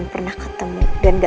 baru aku pulang